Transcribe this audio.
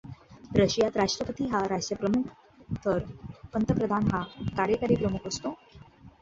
रशियात राष्ट्रपती हा राष्ट्रप्रमुख, तर पंतप्रधान हा कार्यकारी प्रमुख असतो.